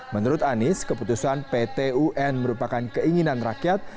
menurut anies keputusan ptun merupakan keinginan rakyat